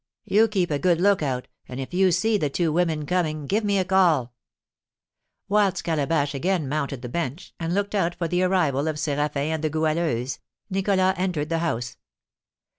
You keep a good look out, and, if you see the two women coming, give me a call." Whilst Calabash again mounted the bench, and looked out for the arrival of Séraphin and the Goualeuse, Nicholas entered the house.